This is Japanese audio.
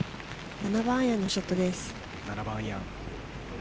７番アイアンのショットです。